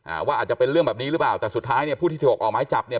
ว่าอาจจะเป็นเรื่องแบบนี้หรือเปล่าแต่สุดท้ายเนี่ยผู้ที่ถูกออกไม้จับเนี่ย